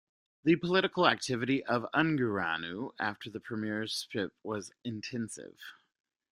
The political activity of Ungureanu after the premiersphip was intensive.